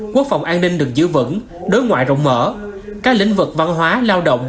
quốc phòng an ninh được giữ vững đối ngoại rộng mở các lĩnh vực văn hóa lao động